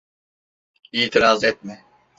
İtiraz etme.